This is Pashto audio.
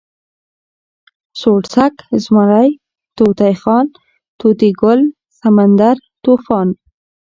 سوړسک، زمری، طوطی خان، طوطي ګل، سمندر، طوفان